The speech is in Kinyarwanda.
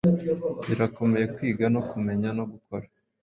Birakomeye kwiga no kumenya, no gukora